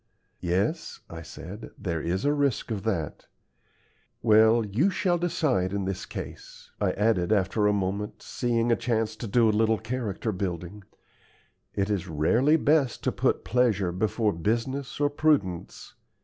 "Yes," I said; "there is a risk of that. Well, YOU shall decide in this case," I added, after a moment, seeing a chance to do a little character building. "It is rarely best to put pleasure before business or prudence.